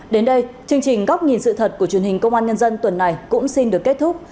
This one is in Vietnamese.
đến đây chương trình góc nhìn sự thật của truyền hình công an nhân dân tuần này cũng xin được kết thúc